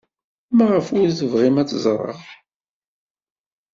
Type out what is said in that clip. Maɣef ur tebɣim ad ẓreɣ?